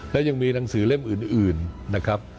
และยังมีหนังสือเล่มอื่นนะครับ